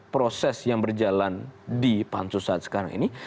proses yang berjalan di pansus saat sekarang ini